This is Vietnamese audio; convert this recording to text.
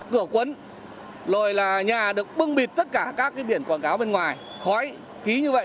cửa quấn rồi là nhà được bưng bịt tất cả các biển quảng cáo bên ngoài khói khí như vậy